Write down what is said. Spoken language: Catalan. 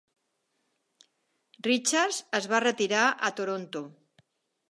Richards es va retirar a Toronto.